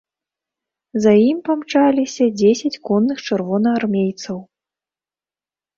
За ім памчаліся дзесяць конных чырвонаармейцаў.